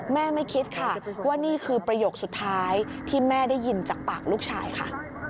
ไม่คิดค่ะว่านี่คือประโยคสุดท้ายที่แม่ได้ยินจากปากลูกชายค่ะ